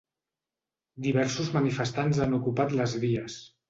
Diversos manifestants han ocupat les vies.